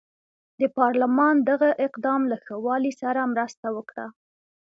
د پارلمان دغه اقدام له ښه والي سره مرسته وکړه.